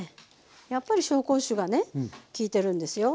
やっぱり紹興酒がね利いてるんですよ。